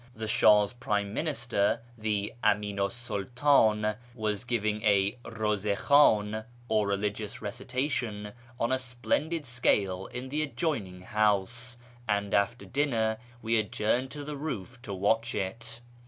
The Shah's Prime Minister, the Aminu 's Sultdn, was giving a rawza khivdn, or religious recitation, on a splendid scale in the adjoining house, and after dinner we adjourned to the roof to watch it.